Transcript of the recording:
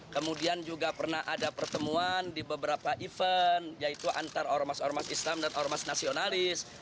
kemudian juga pernah ada pertemuan di beberapa event yaitu antar ormas ormas islam dan ormas nasionalis